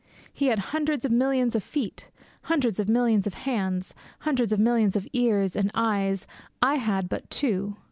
He had hundreds of millions of feet; hundreds of millions of hands; hundreds of millions of ears and eyes; I had but two.